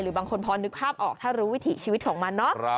บางคนพอนึกภาพออกถ้ารู้วิถีชีวิตของมันเนาะ